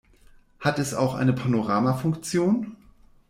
Hat es auch eine Panorama-Funktion?